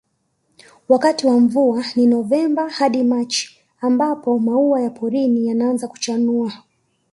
Wakati wa mvua ni Novemba hadi Machi mbapo maua ya porini yanaaza kuchanua